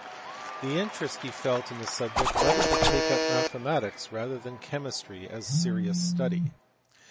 The interest he felt in the subject led him to take up mathematics rather than chemistry as a serious study.